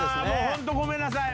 本当ごめんなさい。